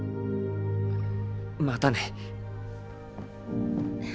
またね。